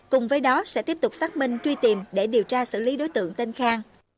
cùng với đó sẽ tiếp tục xác minh truy tìm để điều tra xử lý đối tượng tên khang